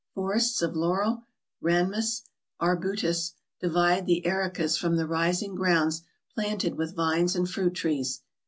Forests of laurel, rhamnus, and arbutus, divide the ericas from the rising grounds planted with vines and fruit trees.